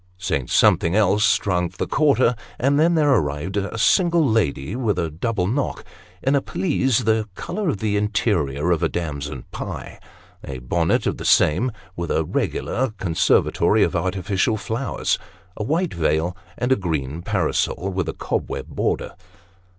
Saint something else struck the quarter, and then there arrived a single lady with a double knock, in a pelisse the colour of the interior of a damson pie ; a bonnet of the same, with a regular conservatory of artificial flowers ; a white veil, and a green parasol, with a cobweb border.